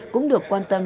cũng được quan tâm